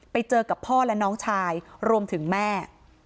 ไปเจอกับพ่อและน้องชายรวมถึงแม่